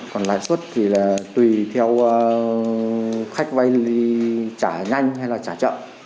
còn lãi suất thì là tùy theo khách vay trả nhanh hay là trả chậm